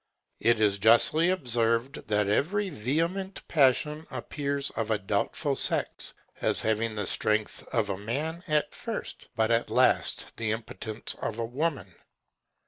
And it is justly observed, that every vehement passion appears of a doubtful sex, as having the strength of a man at first, but at last the impotence of a woman.